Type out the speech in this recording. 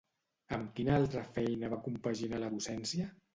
Amb quina altra feina va compaginar la docència?